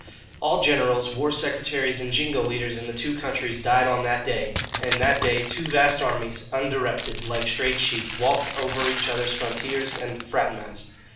All generals, war secretaries, and jingo leaders in the two countries died on that day; and that day two vast armies, undirected, like strayed sheep, walked over each other's frontiers and fraternized.